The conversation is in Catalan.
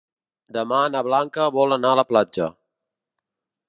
Demà na Blanca vol anar a la platja.